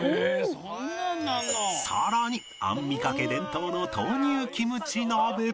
更にアンミカ家伝統の豆乳キムチ鍋